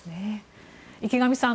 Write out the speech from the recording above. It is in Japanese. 池上さん